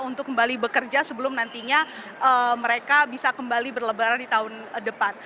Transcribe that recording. untuk kembali bekerja sebelum nantinya mereka bisa kembali berlebaran di tahun depan